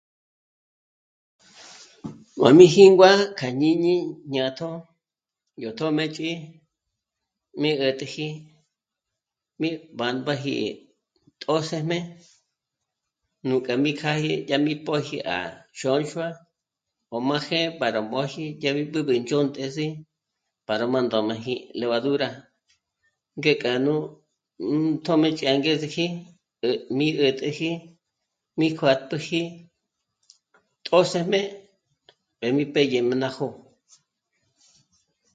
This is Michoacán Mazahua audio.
Ma mí jíngua kja jñíñi jñátjo, yó tjö́mëchi mí 'ä̀t'äji mí b'âmbaji tjṓsëjme núkja mí kjáye yá mi pö̀ji à Xonxua ò máje para mbóji dyábi b'ǚb'ü í ndzhontesi para má ndö̀müji levadura gé k'anú n... tjö́mëchi angezeji, eh... mi 'ä̀täji mí kjuát'püji tjṓsëjme mbé ní pèdyejmé ná jó'o